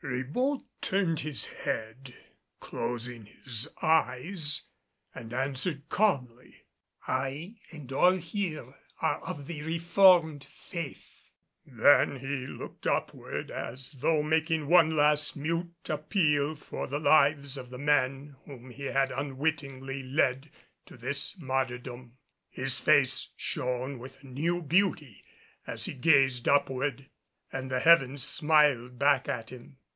Ribault turned his head, closing his eyes and answered calmly, "I and all here are of the Reformed Faith." Then he looked upward as though making one last mute appeal for the lives of the men whom he had unwittingly led to this martyrdom. His face shone with a new beauty as he gazed upward, and the heavens smiled back at him.